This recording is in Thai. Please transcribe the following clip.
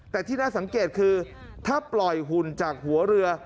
แต่ที่น่าสังเกตคือถ้าปล่อยหุ่นจากหัวเรือ